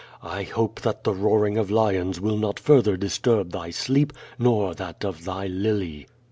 I hope that the roaring of lions will not further disturb thy sleep nor that of thy lily."